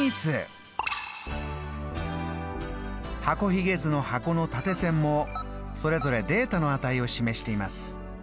箱ひげ図の箱の縦線もそれぞれデータの値を示しています。